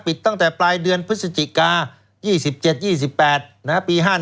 ตั้งแต่ปลายเดือนพฤศจิกา๒๗๒๘ปี๕๗